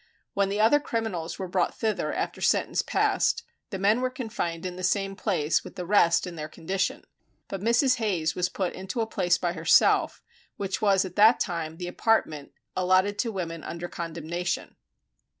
When the other criminals were brought thither after sentence passed, the men were confined in the same place with the rest in their condition, but Mrs. Hayes was put into a place by herself, which was at that time the apartment allotted to women under condemnation.